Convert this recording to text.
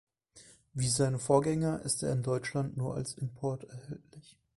Wie seine Vorgänger ist er in Deutschland nur als Import erhältlich.